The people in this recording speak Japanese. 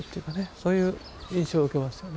そういう印象を受けますよね。